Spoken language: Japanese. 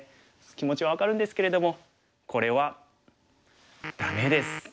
気持ちは分かるんですけれどもこれはダメです。